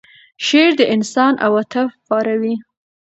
شعر د انسان عواطف پاروي.